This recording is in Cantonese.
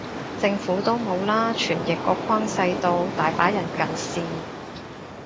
政府都冇啦，傳譯個框細到，大把人近視